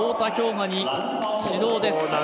雅に指導です。